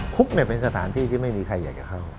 คุกเป็นสถานที่ที่ไม่มีใครอยากจะเข้า